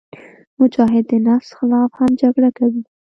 مجاهد د نفس خلاف هم جګړه کوي.